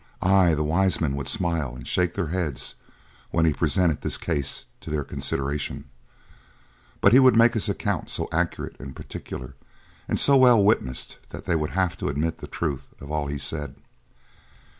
Ay, the wise men would smile and shake their heads when he presented this case to their consideration, but he would make his account so accurate and particular and so well witnessed that they would have to admit the truth of all he said.